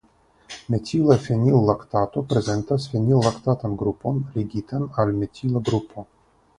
Metila fenillaktato prezentas fenillaktatan grupon ligitan al metila grupo.